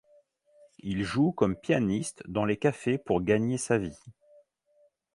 Il joue comme pianiste dans les cafés pour gagner sa vie.